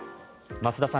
増田さん